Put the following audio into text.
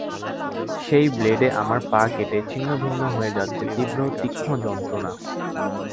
সেই ব্লেডে আমার পা কেটে ছিন্নভিন্ন হয়ে যাচ্ছে-তীব্র তীক্ষ্ণ যন্ত্রণা।